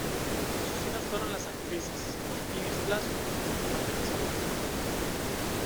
Sus hijas fueron las actrices Ibis Blasco y María Luisa Blasco.